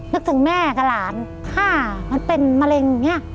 ว่าหลาน๕มันเป็นมะเร็ง